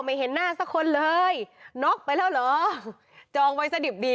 เห็นหน้าสักคนเลยน็อกไปแล้วเหรอจองไว้ซะดิบดี